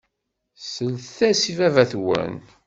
Sellet-as i baba-twen.